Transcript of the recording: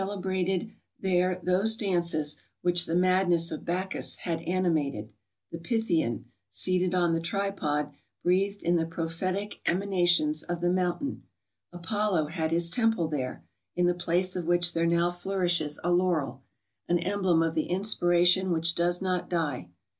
169 brated there those dances which the madness of Bacchus had animated, the Pythian, seated on the tripod, breathed in tlie prophetic emanations of the mountain, Apollo had his temple there, in the place of which there now flourishes a laurel, an emblem of the inspiration which does not die.